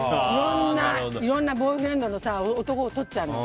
いろんなボーイフレンドの男をとっちゃうの。